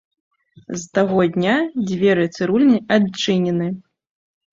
З таго дня дзверы цырульні адчынены.